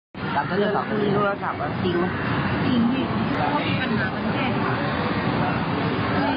อีกครั้งนี้ก็คู่สวนจังเลย